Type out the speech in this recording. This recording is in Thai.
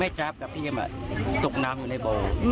แม่จ๊าฟกับพี่เองตกน้ำอยู่ในบอล